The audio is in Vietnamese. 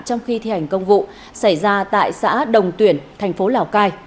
trong khi thi hành công vụ xảy ra tại xã đồng tuyển thành phố lào cai